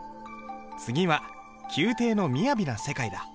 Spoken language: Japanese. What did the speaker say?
次は宮廷のみやびな世界だ。